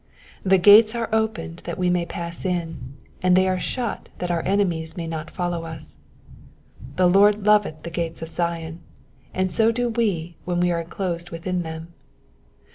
The gates are opened that we may pass in, and they ore only shut that our enemies may not follow us. The Lord loveth the gates of Zion, and so do we when we are enclosed within them.